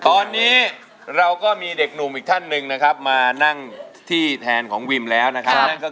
ตอนนี้เราก็มีเด็กหนุ่มอีกท่านหนึ่งนะครับมานั่งที่แทนของวิมแล้วนะครับ